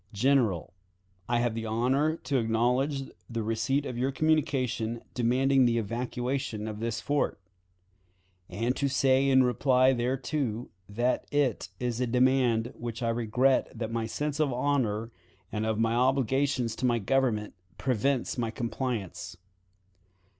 "General: I have the honor to acknowledge the receipt of your communication demanding the evacuation of this fort; and to say in reply thereto that it is a demand with which I regret that my sense of honor and of my obligations to my Government prevents my compliance.